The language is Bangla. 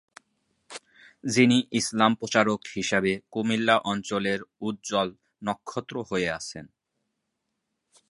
যিনি ইসলাম প্রচারক হিসেবে কুমিল্লা অঞ্চলের উজ্জ্বল নক্ষত্র হয়ে আছেন।